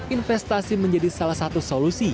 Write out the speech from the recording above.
investasi menjadi salah satu solusi